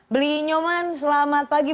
belinyoman selamat pagi